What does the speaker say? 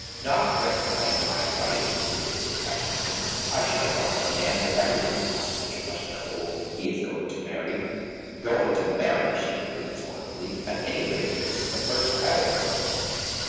"Not recognise my right?" he repeated, passionately. "I should have thought that a man had every right to ask such a question of the woman he is going to marry." "Going to marry?" she repeated, scornfully. "At any rate this is the first I have heard of it."